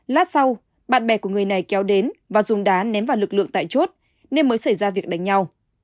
lát sau bạn bè của người này kéo đến và dùng đá ném vào lực lượng tại chốt nên mới xảy ra việc đánh nhau